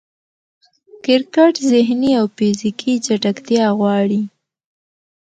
کرکټ ذهني او فزیکي چټکتیا غواړي.